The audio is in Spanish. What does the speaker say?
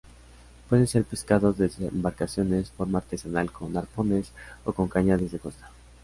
Pueden ser pescados desde embarcaciones, forma artesanal con arpones, o con caña desde costa.